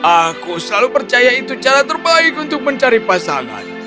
aku selalu percaya itu cara terbaik untuk mencari pasangan